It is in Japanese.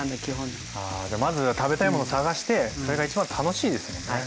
あじゃあまず食べたいものを探してそれが一番楽しいですもんね。はい。